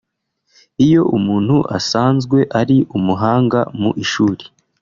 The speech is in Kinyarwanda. Iyo umuntu asanzwe ari umuhanga mu ishuri